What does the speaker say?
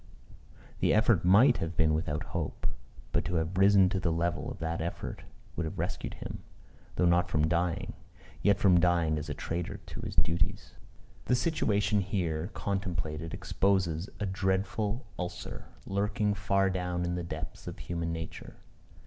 The effort might have been without hope; but to have risen to the level of that effort, would have rescued him, though not from dying, yet from dying as a traitor to his duties. The situation here contemplated exposes a dreadful ulcer, lurking far down in the depths of human nature.